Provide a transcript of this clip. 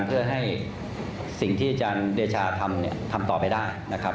เพื่อให้สิ่งที่อาจารย์เดชาทำเนี่ยทำทำต่อไปได้นะครับ